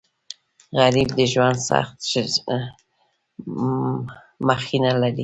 غریب د ژوند سخته مخینه لري